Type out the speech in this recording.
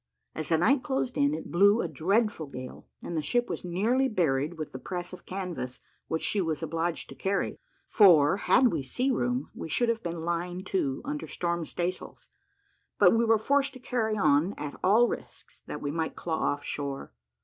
As the night closed in, it blew a dreadful gale, and the ship was nearly buried with the press of canvas which she was obliged to carry: for had we sea room, we should have been lying to under storm staysails; but we were forced to carry on at all risks, that we might claw off shore.